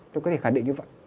tôi có thể khả định như vậy